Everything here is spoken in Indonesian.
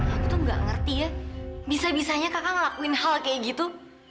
aku tuh gak ngerti ya bisa bisanya kakak ngelakuin hal kayak gitu